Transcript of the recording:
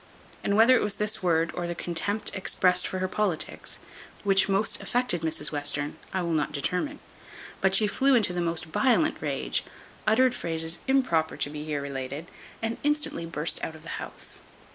And whether it was this word or the contempt exprest for her politics, which most affected Mrs Western, I will not determine; but she flew into the most violent rage, uttered phrases improper to be here related, and instantly burst out of the house.